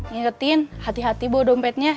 ngingetin hati hati bawa dompetnya